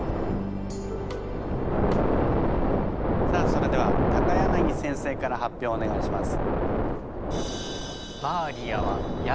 さあそれでは柳先生から発表をお願いします。